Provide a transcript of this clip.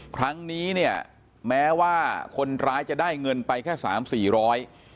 ครั้งนี้เนี่ยแม้ว่าคนร้ายจะได้เงินไปแค่สามสี่ร้อย